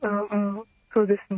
そうですね。